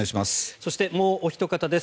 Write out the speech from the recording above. そしてもうおひと方です。